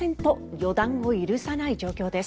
予断を許さない状況です。